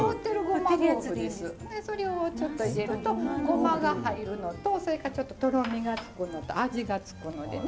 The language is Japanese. それをちょっと入れるとごまが入るのとそれからちょっととろみがつくのと味がつくのでね。